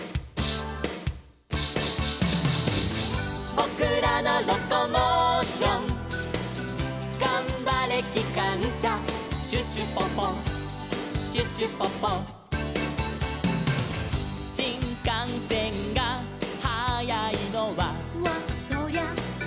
「ぼくらのロコモーション」「がんばれきかんしゃ」「シュシュポポシュシュポポ」「しんかんせんがはやいのは」